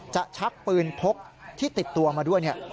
จะชักปืนพกที่ติดตัวมาด้วย